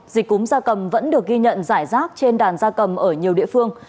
dịch cúm gia cầm vẫn được ghi nhận giải rác trên đàn gia cầm ở nhiều địa phương